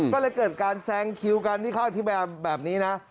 ก็เลยเกิดการแซงคิวกันที่ข้างที่แบบนี้นะ